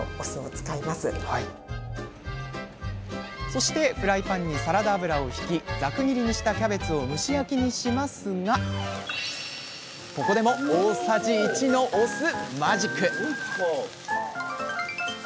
そしてフライパンにサラダ油をひきざく切りにしたキャベツを蒸し焼きにしますがここでも大さじ１のお酢マジック！